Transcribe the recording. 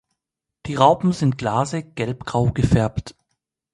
Die Raupen sind glasig gelbgrau gefärbt.